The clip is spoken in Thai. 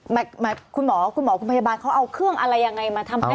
หมายคุณหมอคุณหมอคุณพยาบาลเขาเอาเครื่องอะไรยังไงมาทำเป็น